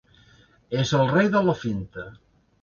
És el rei de la finta.